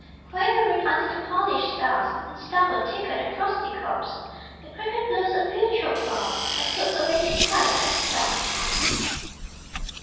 Quavering under the polished stars In stubble, thicket, and frosty copse The cricket blows a few choked bars, And puts away his pipe and stops.